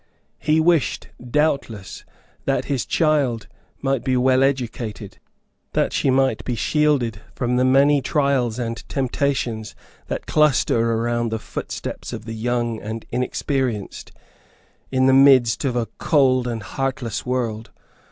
He wished, doubtless, that his child might be well educated; that she might be shielded from the many trials and temptations that cluster around the footsteps of the young and inexperienced, in the midst of a cold and heartless world.